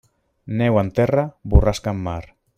Neu en terra, borrasca en mar.